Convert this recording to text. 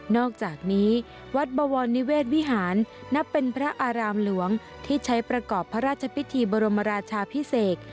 อกจากนี้วัดบวรนิเวศวิหารนับเป็นพระอารามหลวงที่ใช้ประกอบพระราชพิธีบรมราชาพิเศษ